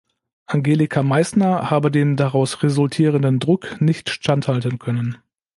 Angelika Meissner habe dem daraus resultierenden Druck nicht standhalten können.